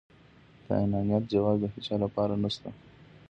د انانيت جواز د هيچا لپاره نشته.